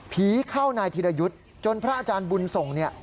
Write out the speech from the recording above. ผีเข้านายธิรยุทธ์จนพระอาจารย์บุญส่ง